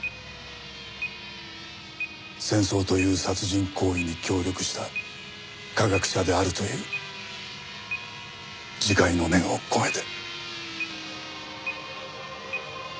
戦争という殺人行為に協力した科学者であるという自戒の念を込めて。